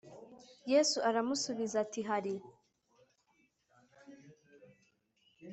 Yesu aramusubiza ati hari